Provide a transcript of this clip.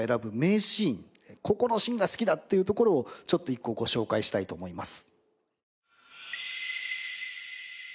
ここのシーンが好きだっていうところをちょっと１個ご紹介したいと思います。